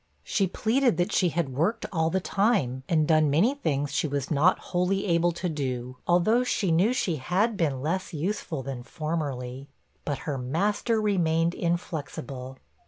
She plead that she had worked all the time, and done many things she was not wholly able to do, although she knew she had been less useful than formerly; but her master remained inflexible.